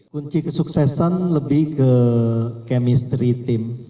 kunci kesuksesan lebih ke chemistry tim